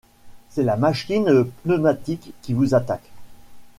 C’est la machine pneumatique qui vous attaque.